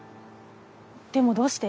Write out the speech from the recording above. でもどうして？